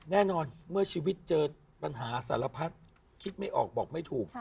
แน่นอนเมื่อชีวิตเจอปัญหาสารพัดคิดไม่ออกบอกไม่ถูก